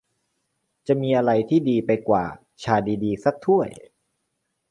จะมีอะไรที่ดีไปกว่า ชาดี ๆ สักถ้วย ?